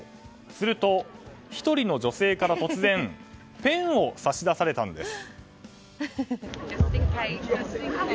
すると、１人の女性から突然ペンを差し出されたんです。